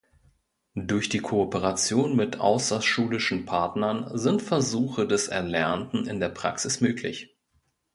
Durch die Kooperation mit außerschulischen Partnern sind Versuche des Erlernten in der Praxis möglich.